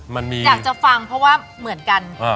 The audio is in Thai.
อยากจะฟังเพราะว่าเหมือนกัน